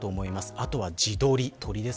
あとは地鶏です。